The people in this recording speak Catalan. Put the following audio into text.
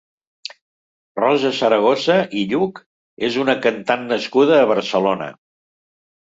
Rosa Zaragoza i Lluch és una cantant nascuda a Barcelona.